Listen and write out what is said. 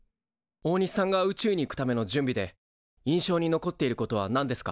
大西さんが宇宙に行くための準備で印象に残っていることは何ですか？